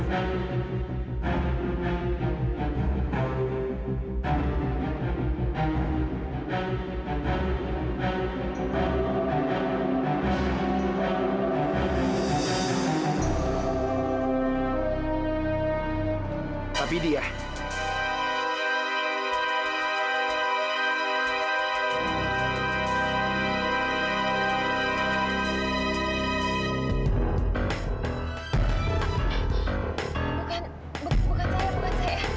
bukan bukan saya bukan saya